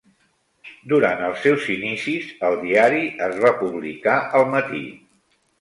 Durant els seus inicis el diari es va publicar al matí.